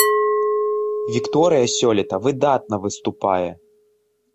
Вікторыя сёлета выдатна выступае.